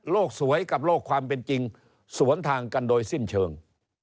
สวยกับโลกความเป็นจริงสวนทางกันโดยสิ้นเชิง